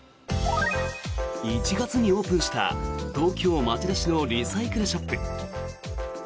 １月にオープンした東京・町田市のリサイクルショップ。